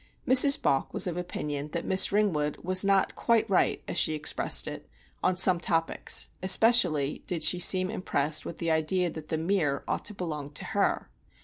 Mrs. Balk was of opinion that Miss Ringwood was not "quite right," as she expressed it, on some topics; especially did she seem impressed with the idea that The Mere ought to belong to her.